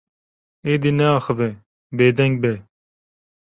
Êdî neaxive, bêdeng be.